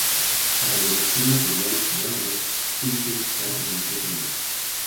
Para la elección del material, Brian tuvo que buscar minuciosamente.